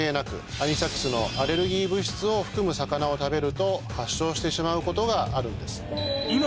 アニサキスのアレルギー物質を含む魚を食べると発症してしまうことがあるんです。